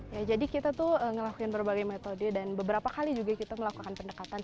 ya jadi kita tuh ngelakuin berbagai metode dan beberapa kali juga kita melakukan pendekatan